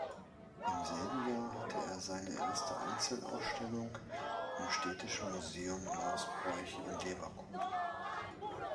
Im selben Jahr hatte er seine erste Einzelausstellung im städtischen Museum Morsbroich in Leverkusen.